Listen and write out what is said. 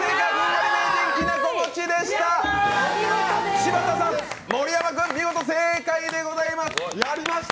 柴田さん、盛山君、見事正解でございます。